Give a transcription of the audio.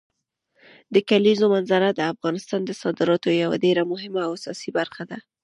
د کلیزو منظره د افغانستان د صادراتو یوه ډېره مهمه او اساسي برخه ده.